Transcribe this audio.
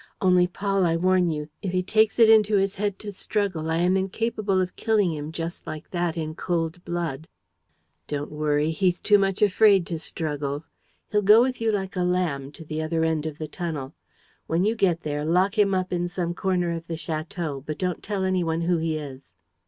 Only, Paul, I warn you that, if he takes it into his head to struggle, I am incapable of killing him just like that, in cold blood." "Don't worry. He's too much afraid to struggle. He'll go with you like a lamb to the other end of the tunnel. When you get there, lock him up in some corner of the château, but don't tell any one who he is."